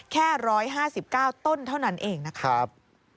แค่ร้อยห้าสิบเก้าต้นเท่านั้นเองนะครับ